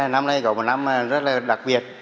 năm nay có một năm rất là đặc biệt